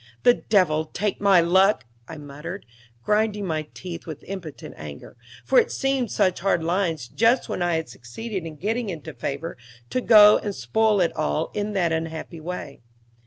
"The devil take my luck!" I muttered, grinding my teeth with impotent anger; for it seemed such hard lines, just when I had succeeded in getting into favor, to go and spoil it all in that unhappy way.